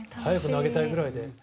早く投げたいぐらいで。